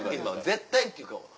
絶対っていうか。